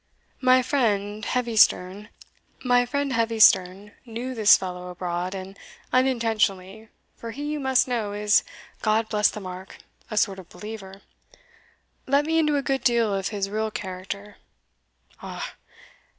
My friend Heavysterne knew this fellow abroad, and unintentionally (for he, you must know, is, God bless the mark! a sort of believer) let me into a good deal of his real character. Ah!